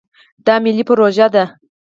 دا ملي پروژه ده.